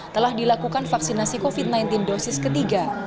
telah dilakukan vaksinasi covid sembilan belas dosis ketiga